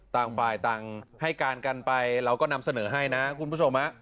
ต่างฝ่ายต่างให้การกันไปเราก็นำเสนอให้นะคุณผู้ชม